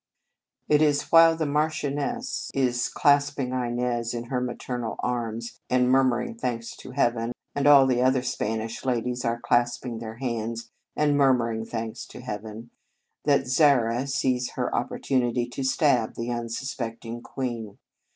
It is while the marchioness is clasping Inez in her maternal arms, and murmuring thanks to Heaven, and all the other Spanish ladies are clasping their hands, and murmuring thanks to Heaven, that Zara sees her oppor tunity to stab the unsuspecting queen.